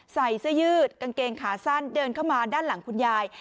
ใส่เสื้อยืดกางเกงขาสั้นเดินเข้ามาด้านหลังคุณยาย